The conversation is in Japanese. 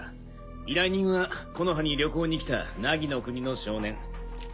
依頼人は木ノ葉に旅行に来た凪の国の少年。